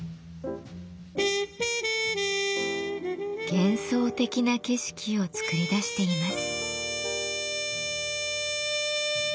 幻想的な景色を作り出しています。